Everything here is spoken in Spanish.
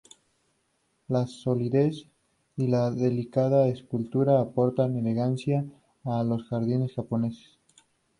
La solidez y la delicada escultura, aportan elegancia a los jardines japoneses.